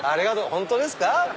本当ですか？